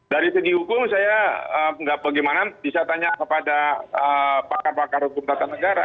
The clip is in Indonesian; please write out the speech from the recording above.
dari segi hukum saya nggak bagaimana bisa tanya kepada pakar pakar hukum tata negara